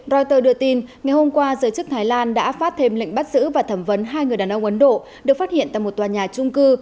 reuters đưa tin ngày hôm qua giới chức thái lan đã phát thêm lệnh bắt giữ và thẩm vấn hai người đàn ông ấn độ được phát hiện tại một tòa nhà trung cư